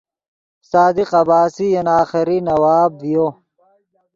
صادق عباسی ین آخری نواب ڤیو